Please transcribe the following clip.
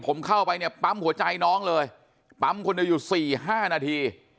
ผมเข้าไปเนี่ยปั๊มหัวใจน้องเลยปั๊มคนเดียวอยู่สี่ห้านาที